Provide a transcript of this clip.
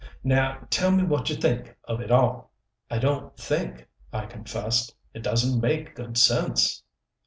Now tell me what you think of it all." "I don't think," I confessed. "It doesn't make good sense."